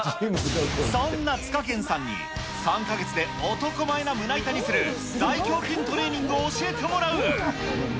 そんなツカケンさんに、３か月で男前な胸板にする大胸筋トレーニングを教えてもらう。